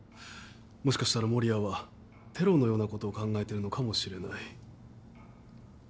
もしかしたら守谷はテロのようなことを考えてるのかもしれない。